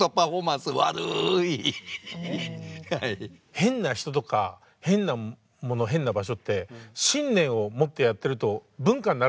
変な人とか変なもの変な場所って信念を持ってやってると文化になるんですね。